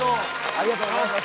ありがとうございます。